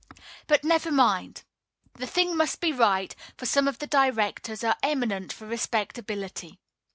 But never mind. The thing must be right, for some of the directors are eminent for respectability.